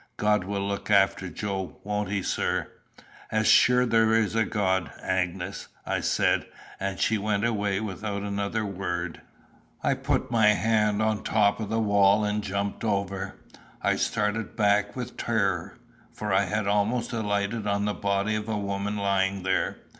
God will look after Joe, won't he, sir?" "As sure as there is a God, Agnes," I said; and she went away without another word. I put my hand on the top of the wall and jumped over. I started back with terror, for I had almost alighted on the body of a woman lying there.